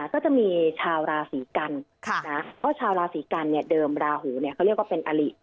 ก็จะมีชาวราศีกันเพราะชาวราศีกันเนี่ยเดิมราหูเนี่ยเขาเรียกว่าเป็นอลิ